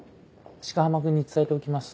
鹿浜君に伝えておきます。